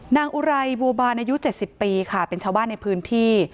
อุไรบัวบานอายุ๗๐ปีค่ะเป็นชาวบ้านในพื้นที่